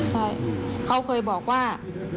ใช่เขาเคยบอกว่า